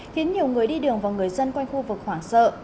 khiến nhiều người đi đường và người dân quanh khu vực hoảng sợ